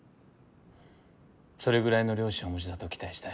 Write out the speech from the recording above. それぐらいの良心はお持ちだと期待したい。